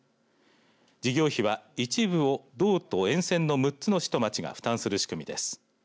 事業費は一部を道と沿線の６つの市と町が負担する仕組みです。